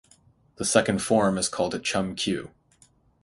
The second form is called Chum Kiu.